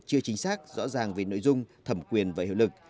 chưa chính xác rõ ràng về nội dung thẩm quyền và hiệu lực